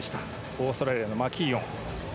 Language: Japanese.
オーストラリアのマキーオン。